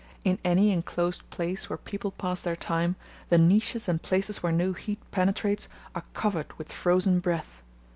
In any enclosed place where people pass their time, the niches and places where no heat penetrates are covered with frozen breath.